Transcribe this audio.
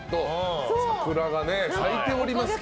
桜が咲いておりますけども。